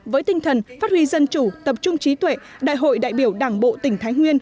với tinh thần phát huy dân chủ tập trung trí tuệ đại hội đại biểu đảng bộ tỉnh thái nguyên